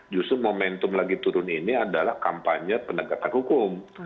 justru momentum lagi turun ini adalah kampanye penegakan hukum